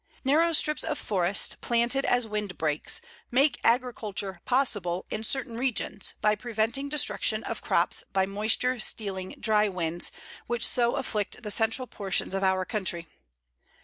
Narrow strips of forest planted as windbreaks make agriculture possible in certain regions by preventing destruction of crops by moisture stealing dry winds which so afflict the central portions of our country.